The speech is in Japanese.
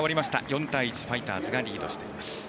４対１、ファイターズがリードしています。